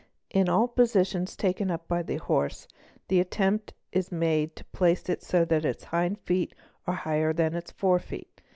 | In all positions taken up by the horse the attempt is made to place it — so that its hind feet are higher than its fore feet.